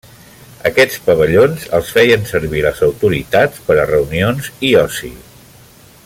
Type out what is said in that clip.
Aquests pavellons els feien servir les autoritats per a reunions i oci.